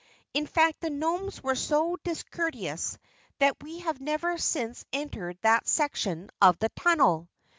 In fact the Nomes were so discourteous that we have never since entered that section of the tunnel."